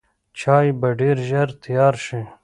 چای به ډېر ژر تیار شي.